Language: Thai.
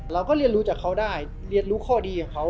เราก็เรียนรู้จากเขาได้เรียนรู้ข้อดีของเขา